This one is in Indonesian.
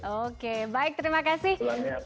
oke baik terima kasih